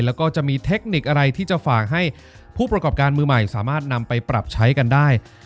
แล้วก็จะมีเทคนิคอะไรที่จะฝากให้ผู้ประกอบการมือใหม่สามารถนำไปปรับใช้กันได้